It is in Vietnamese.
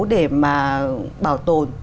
để mà bảo tồn